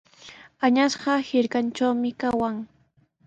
Añasqa hirkatraqmi kawan.